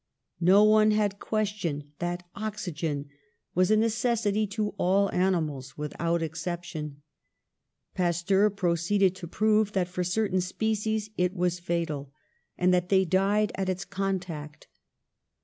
No one had questioned that oxygen was a necessity to all animals without exception. Pasteur proceeded to prove that for certain species it was fatal, and that they died at its contact.